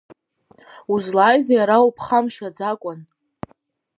Узлааизеи ара уԥхамшьаӡакәан?